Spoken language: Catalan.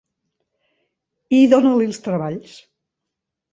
I dona-li els treballs.